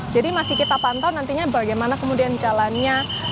jadi masih kita pantau nantinya bagaimana kemudian jalannya